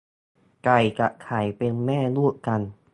ไก่กับไข่เป็นแม่ลูกกัน